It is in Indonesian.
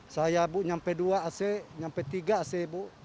saya bu nyampe dua ac nyampe tiga ac bu